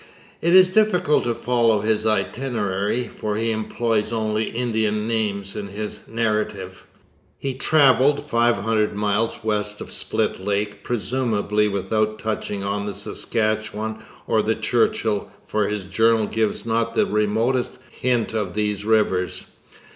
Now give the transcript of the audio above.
It is difficult to follow his itinerary, for he employs only Indian names in his narrative. He travelled five hundred miles west of Split Lake presumably without touching on the Saskatchewan or the Churchill, for his journal gives not the remotest hint of these rivers.